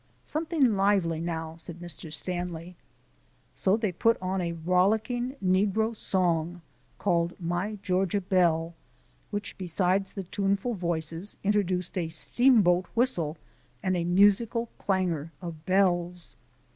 "Something lively now," said Mr. Stanley. So they put on a rollicking negro song called. "My Georgia Belle," which, besides the tuneful voices, introduced a steamboat whistle and a musical clangour of bells.